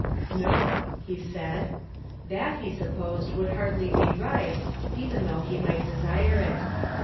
"Xo," he said; that, he suppose<l, would hardly be right, vwu though he might desire it.